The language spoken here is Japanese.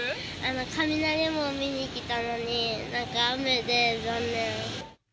雷門見に来たのに、なんか雨で残念。